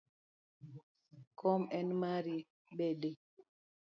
Kom en mari bedie